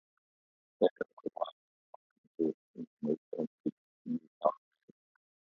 Staker grew up in Broken Hill in remote country New South Wales.